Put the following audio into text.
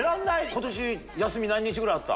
ことし、休み何日ぐらいあった？